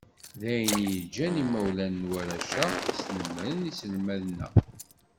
D ayen i yeǧǧan imawlan n warrac-a, snemmren iselmaden-a.